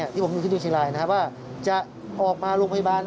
ที่ผมอยู่ที่ดูเชียงรายนะครับว่าจะออกมาโรงพยาบาล